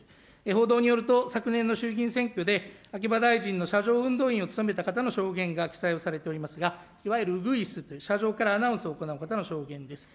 報道によると昨年の衆議院選挙で秋葉大臣の車上運動員を務めた方の証言が記載をされておりますが、いわゆるウグイスという、車上からアナウンスを行う方の証言です。